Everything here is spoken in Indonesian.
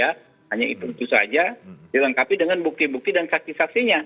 hanya itu saja dilengkapi dengan bukti bukti dan saksisaksinya